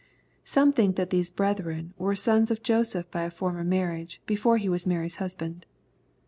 Some think that these " brethren," were sons of Joseph by a former marriage, before he was Mary's husband.